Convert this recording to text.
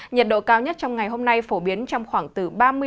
nhiệt độ cao nhất trong ngày hôm nay phổ biến trong khoảng từ ba mươi